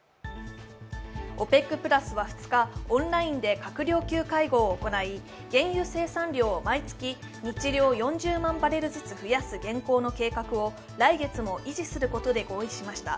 ＯＰＥＣプラスは２日、オンラインで閣僚級会合を行い、原油生産量を毎月、日量４０万バレルずつ増やす現行の計画を来月も維持することで合意しました。